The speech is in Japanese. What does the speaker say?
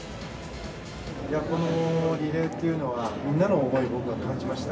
このリレーというのはみんなの思いを感じました。